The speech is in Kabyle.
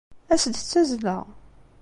As-d d tazzla!